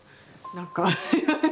何か。